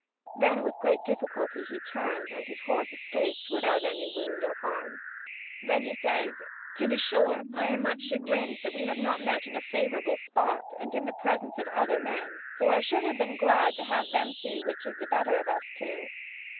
Then with great difficulty he turns, and his horse escapes without any wound or harm. Then he says: "To be sure, I am much chagrined that we have not met in a favourable spot and in the presence of other men, for I should have been glad to have them see which is the better of us two.